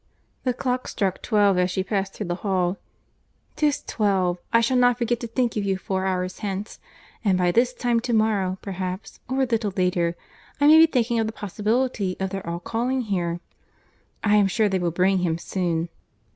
The clock struck twelve as she passed through the hall. "'Tis twelve; I shall not forget to think of you four hours hence; and by this time to morrow, perhaps, or a little later, I may be thinking of the possibility of their all calling here. I am sure they will bring him soon."